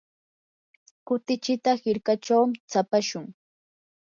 kutichita hirkachaw tsapashun.